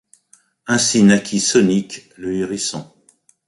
Ainsi naquit Sonic le hérisson.